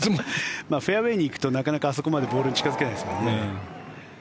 フェアウェーに行くとなかなかあそこまでボールに近付けないですもんね。